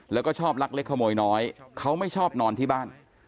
แล้วก็ชอบลักเล็กขโมยน้อยเขาไม่ชอบนอนที่บ้าน